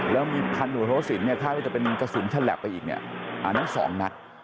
แล้วมีพันธุโทษสินเนี่ยคาดว่าจะเป็นกระสุนฉลับไปอีกเนี่ยอันนั้น๒นัด